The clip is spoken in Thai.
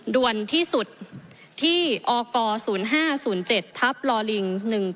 ด่วนที่สุดที่อก๐๕๐๗ทับลอลิง๑๙